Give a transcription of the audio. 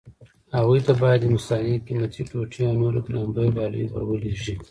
هغوی ته باید هندوستاني قيمتي ټوټې او نورې ګران بيه ډالۍ ور ولېږي.